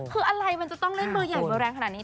คืออะไรมันจะต้องเล่นมือใหญ่เบอร์แรงขนาดนี้